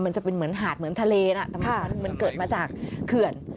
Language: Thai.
มันจะเป็นเหมือนหาดเหมือนทะเลนะแต่มันเกิดมาจากเขื่อน